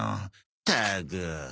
ったく。